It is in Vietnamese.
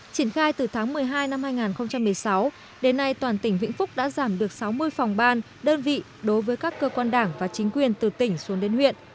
triển khai từ tháng một mươi hai năm hai nghìn một mươi sáu đến nay toàn tỉnh vĩnh phúc đã giảm được sáu mươi phòng ban đơn vị đối với các cơ quan đảng và chính quyền từ tỉnh xuống đến huyện